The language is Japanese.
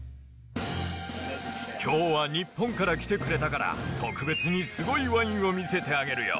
きょうは日本から来てくれたから、特別にすごいワインを見せてあげるよ。